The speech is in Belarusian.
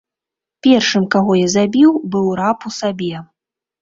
Першым, каго я забіў, быў раб у сабе.